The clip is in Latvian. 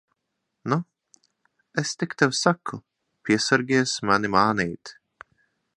Nu, es tik tev saku, piesargies mani mānīt!